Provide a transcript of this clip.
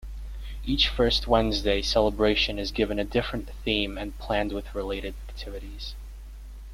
Each First Wednesday celebration is given a different theme and planned with related activities.